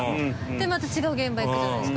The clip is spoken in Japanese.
でまた違う現場行くじゃないですか。